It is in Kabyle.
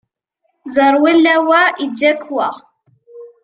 Ẓerwel a wa, iǧǧa-k wa!